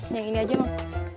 yang ini aja mang